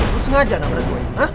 lu sengaja nabrak gue